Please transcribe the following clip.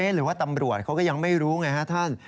หรือว่าตำรวจเขาก็ยังไม่รู้ไงฮะท่าน